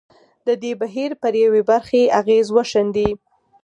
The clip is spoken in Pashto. د دې بهیر پر یوې برخې اغېز وښندي.